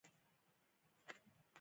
آیا د ایران کلتوري نفوذ پراخ نه دی؟